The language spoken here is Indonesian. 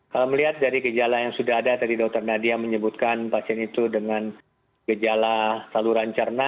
kalau melihat dari gejala yang sudah ada tadi dokter nadia menyebutkan pasien itu dengan gejala saluran cerna